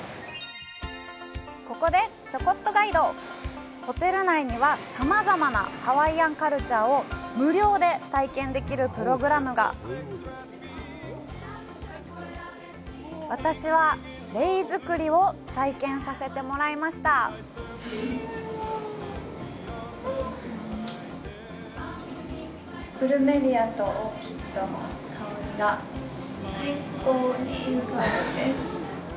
ここでちょこっとガイドホテル内にはさまざまなハワイアンカルチャーを無料で体験できるプログラムが私はレイ作りを体験させてもらいましたプルメリアとオーキッドの香りが最高にいい香りです